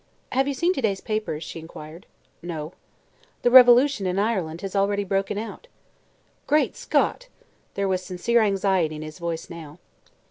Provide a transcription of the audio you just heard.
"Have you seen to day's papers?" she inquired. "No." "The revolution in Ireland has already broken out." "Great Scott!" There was sincere anxiety in his voice now.